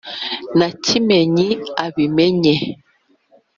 Na Kimenyi abimenye